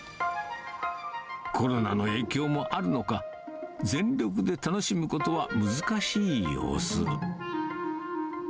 コロナの影響もあるのか、全力で楽しむことは難しい様子。